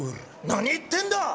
何言ってんだ！